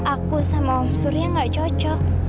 aku sama om surya nggak cocok